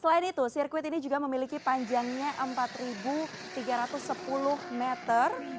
selain itu sirkuit ini juga memiliki panjangnya empat tiga ratus sepuluh meter